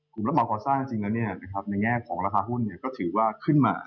กลุ่มระเมาะก่อสร้างจริงแล้วในแหน้งของราคาหุ้นถือว่าขึ้นมา